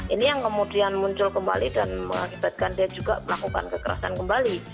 ini yang kemudian muncul kembali dan mengakibatkan dia juga melakukan kekerasan kembali